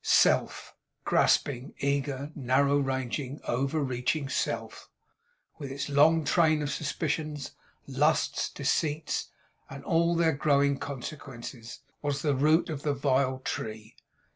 Self; grasping, eager, narrow ranging, overreaching self; with its long train of suspicions, lusts, deceits, and all their growing consequences; was the root of the vile tree.